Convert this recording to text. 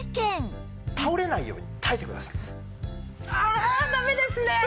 あダメですね。